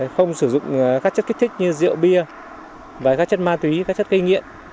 không sử dụng các chất kích thích như rượu bia các chất ma túy các chất cây nghiện